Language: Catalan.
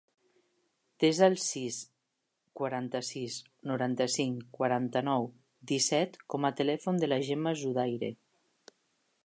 Desa el sis, quaranta-sis, noranta-cinc, quaranta-nou, disset com a telèfon de la Gemma Zudaire.